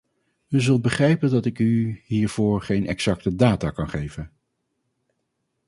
U zult begrijpen dat ik u hiervoor geen exacte data kan geven.